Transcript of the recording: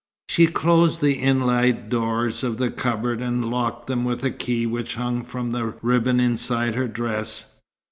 She closed the inlaid doors of the cupboard, and locked them with a key which hung from a ribbon inside her dress.